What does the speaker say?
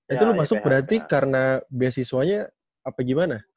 itu lo masuk berarti karena beasiswanya apa gimana